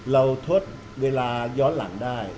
ทดเวลาย้อนหลังได้